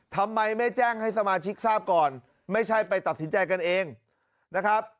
ทำไมไม่แจ้งให้สมาชิกทราบก่อนไม่ใช่ไปตัดสินใจกันเองนะครับ